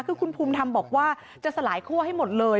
คือคุณภูมิธรรมบอกว่าจะสลายคั่วให้หมดเลย